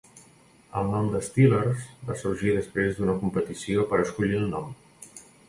El nom de "Steelers" va sorgir després d'una competició per escollir el nom.